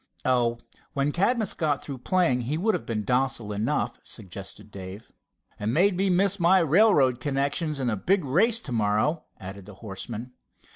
"Oh, when Cadmus got through playing he would have been docile enough," suggested Dave. "And made me miss railroad connections and a big race to morrow," added the horseman.